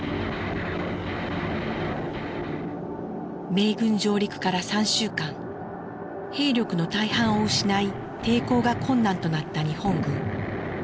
米軍上陸から３週間兵力の大半を失い抵抗が困難となった日本軍。